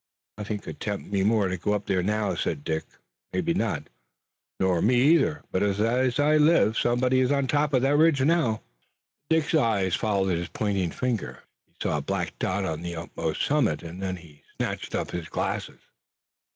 "Nothing could tempt me to go up there now," said Dick. "Maybe not, nor me either, but as I live somebody is on top of that ridge now." Dick's eyes followed his pointing finger, saw a black dot on the utmost summit, and then he snatched up his glasses.